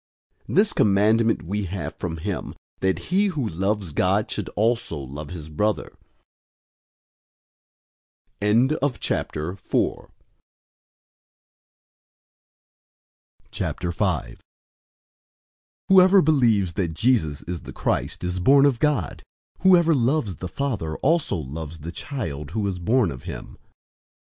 004:021 This commandment we have from him, that he who loves God should also love his brother. 005:001 Whoever believes that Jesus is the Christ is born of God. Whoever loves the father also loves the child who is born of him.